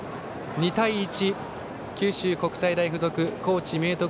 ２対１、九州国際大付属高知・明徳